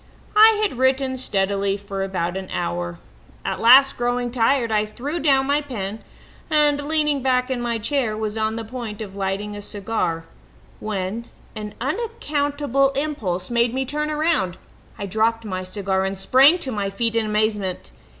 "I had written steadily for about an hour. At last, growing tired, I threw down my pen and, leaning back in my chair, was on the point of lighting a cigar when an unaccountable impulse made me turn round. I dropped my cigar and sprang to my feet in amazement.